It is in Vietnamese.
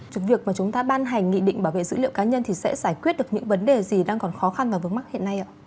việc mà chúng ta ban hành nghị định bảo vệ dữ liệu cá nhân thì sẽ giải quyết được những vấn đề gì đang còn khó khăn và vướng mắc hiện nay ạ